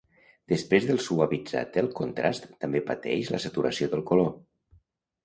Després del suavitzat del contrast també pateix la saturació del color.